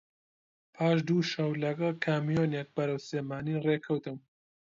پاش دوو شەو لەگەڵ کامیۆنێک بەرەو سلێمانی ڕێ کەوتم